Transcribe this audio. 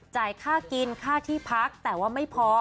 ค่ากินค่าที่พักแต่ว่าไม่พอ